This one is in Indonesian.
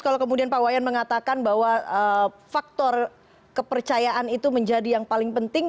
kalau kemudian pak wayan mengatakan bahwa faktor kepercayaan itu menjadi yang paling penting